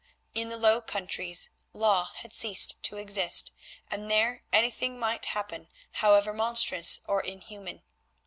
In the Low Countries law had ceased to exist, and there anything might happen however monstrous or inhuman.